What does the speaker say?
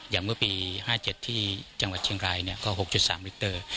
เมื่อปี๕๗ที่จังหวัดเชียงรายก็๖๓มิเตอร์